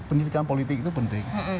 pendidikan politik itu penting